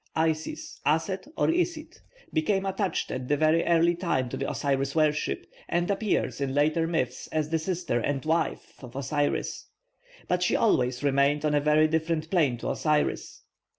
+Isis+ (Aset or Isit) became attached at a very early time to the Osiris worship; and appears in later myths as the sister and wife of Osiris. But she always remained on a very different plane to Osiris.